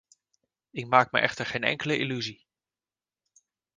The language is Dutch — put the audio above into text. Ik maak me echter geen enkele illusie.